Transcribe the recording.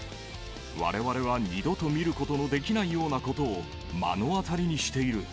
われわれは二度と見ることのできないようなことを目の当たりにしている。